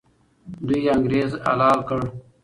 دوی انګریز حلال کړ.